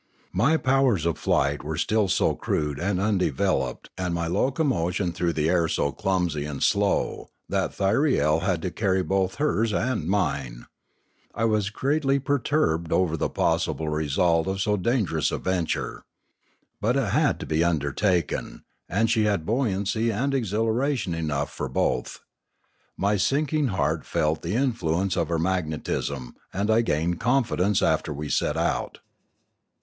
My powers of flight were still so crude and undeveloped and my locomotion through The Last Flight 703 the air so clumsy and slow that Thyriel had to carry both hers and mine. I was greatly perturbed over the possible result of so dangerous a venture. But it had to be undertaken, and she had buoyancy and exhilara tion enough for both. My sinking heart felt the in fluence of her magnetism, and I gained confidence after we set out.